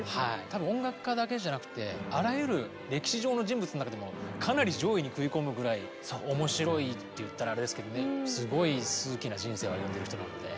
多分音楽家だけじゃなくてあらゆる歴史上の人物の中でもかなり上位に食い込むぐらい面白いって言ったらあれですけどねすごい数奇な人生を歩んでる人なので。